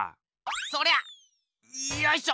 そりゃよいしょ。